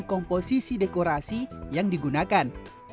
dan komposisi dekorasi yang digunakan